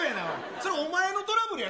それ、お前のトラブルやろ。